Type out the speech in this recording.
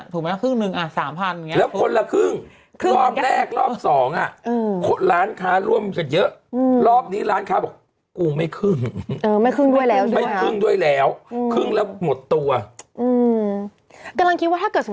ถ้าครึ่งก็คือแบบนี่มัน๘๐๐ใช่ไหม